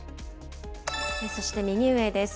そして右上です。